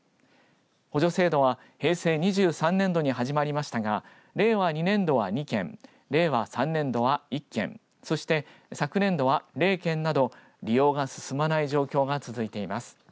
補助制度は平成２３年度に始まりましたが令和２年度は２件令和３年度は１件そして昨年度は０件など利用が進まない状況が続いています。